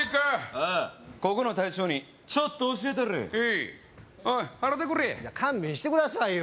ああここの大将にちょっと教えたれへいおい払てくれいや勘弁してくださいよ